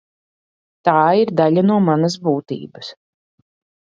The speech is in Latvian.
Tā ir daļa no manas būtības.